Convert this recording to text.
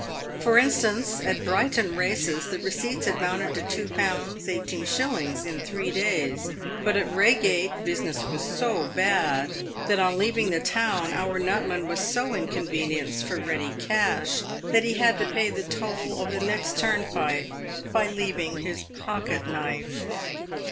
For instance, at Brighton races, the receipts amounted to 21. 18s. in the three days, but at Eeigate business was so bad that, on leaving the town, our nutman was so inconvenienced for ready cash that he had to pay the toll of the next turnpike by leaving his pocket knife.